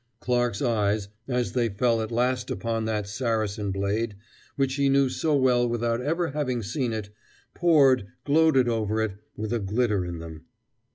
Clarke's eyes, as they fell at last upon that Saracen blade which he knew so well without ever having seen it, pored, gloated over it, with a glitter in them.